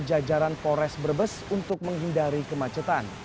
jajaran polres brebes untuk menghindari kemacetan